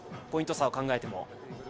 ポイント差を考えても。